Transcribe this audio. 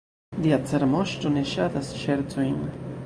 Lia cara moŝto ne ŝatas ŝercojn.